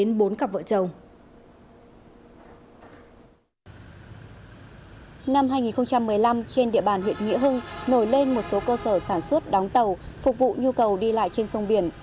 năm hai nghìn một mươi năm trên địa bàn huyện nghĩa hưng nổi lên một số cơ sở sản xuất đóng tàu phục vụ nhu cầu đi lại trên sông biển